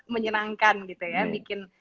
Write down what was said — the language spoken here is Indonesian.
menyenangkan gitu ya bikin